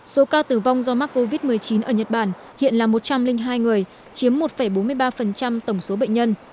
số ca tử vong do mắc covid một mươi chín ở nhật bản hiện là một trăm linh hai người chiếm một bốn mươi ba tổng số bệnh nhân